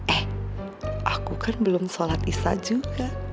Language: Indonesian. eh aku kan belum sholat isya juga